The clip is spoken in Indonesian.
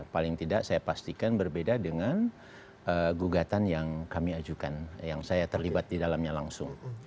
paling tidak saya pastikan berbeda dengan gugatan yang kami ajukan yang saya terlibat di dalamnya langsung